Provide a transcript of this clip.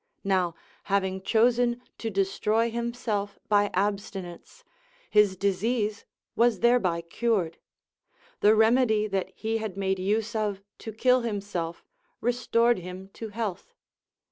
Now, having chosen to destroy himself by abstinence, his disease was thereby cured: the remedy that he had made use of to kill himself restored him to health.